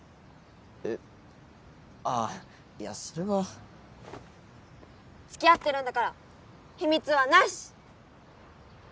えっあぁいやそれは。付き合ってるんだから秘密はなし！